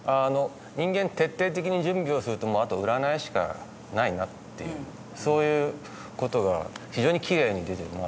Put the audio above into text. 人間徹底的に準備をするともうあとは占いしかないなっていうそういう事が非常にきれいに出てるなと。